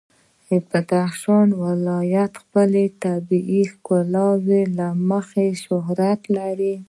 بدخشان ولایت د خپل طبیعي ښکلا له مخې شهرت لري.